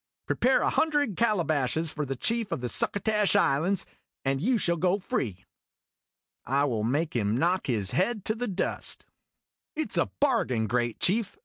Prepare a hundred calabashes for the Chief of the Succotash Islands, and you shall go free. I will make him knock his head to the dust !" 224 IMAGINOTIONS "It 's a bargain, great Chief!"